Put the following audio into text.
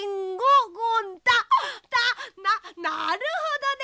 なるほどね！